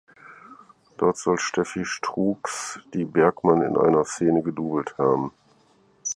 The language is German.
Dort soll Steffi Stroux die Bergman in einer Szene gedoubelt haben.